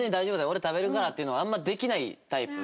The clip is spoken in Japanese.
俺食べるから」っていうのあんまできないタイプで。